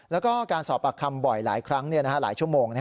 แล้วก็การสอบปากคำบ่อยหลายครั้งหลายชั่วโมง